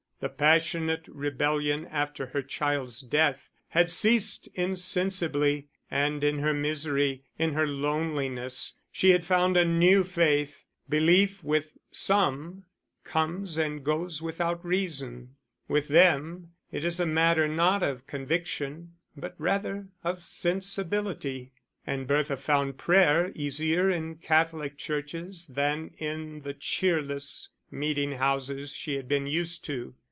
The passionate rebellion after her child's death had ceased insensibly, and in her misery, in her loneliness, she had found a new faith. Belief with some comes and goes without reason: with them it is a matter not of conviction, but rather of sensibility; and Bertha found prayer easier in Catholic churches than in the cheerless meeting houses she had been used to.